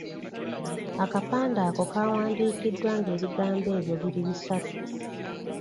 Akapande ako kandiwandiikiddwa nga ebigambo ebyo biri bisatu.